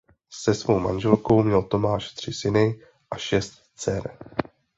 Se svou manželkou měl Tomáš tři syny a šest dcer.